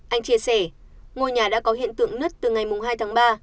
anh chia sẻ ngôi nhà đã có hiện tượng nứt từ ngày hai tháng ba